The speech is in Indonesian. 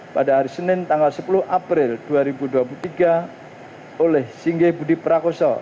pada hari senin tanggal sepuluh april dua ribu dua puluh tiga oleh singgih budi prakoso